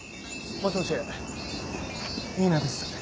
もしもし新名です。